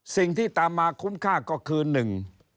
สิ่งที่ตามมาคุ้มค่าก็คือหนึ่ง